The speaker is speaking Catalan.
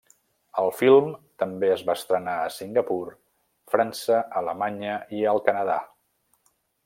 El film també es va estrenar a Singapur, França, Alemanya, i al Canadà.